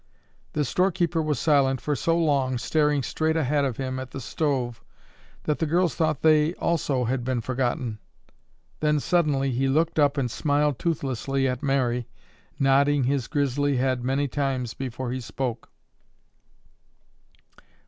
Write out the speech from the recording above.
The storekeeper was silent for so long, staring straight ahead of him at the stove, that the girls thought they, also, had been forgotten. Then suddenly he looked up and smiled toothlessly at Mary, nodding his grizzly head many times before he spoke.